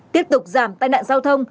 tiếp tục giảm tai nạn giao thông